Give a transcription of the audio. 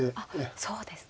そうですか。